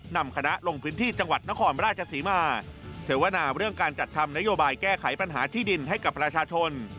นำคณะลงพื้นที่จังหวัดนครราชศรีมาเสวนาเรื่องการจัดทำนโยบายแก้ไขปัญหาที่ดินให้กับประชาชน